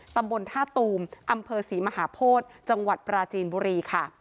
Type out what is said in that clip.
ตำบลท่าตูมอำเภอศรีมหาโพธิจังหวัดปราจีนบุรีค่ะ